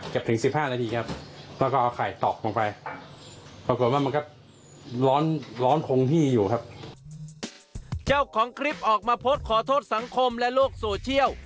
เจ้าของคลิปออกมาโพสต์ขอโทษสังคมและโลกโซเชียล